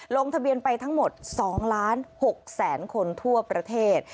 ลงทะเบียนไปทั้งหมด๒ล้าน๖แสนคนทั่วประเทศ